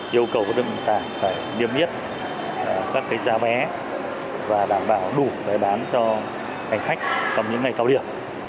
yêu cầu các đơn vị vận tải phải niêm yết các giá vé và đảm bảo đủ vé bán cho hành khách trong những ngày cao điểm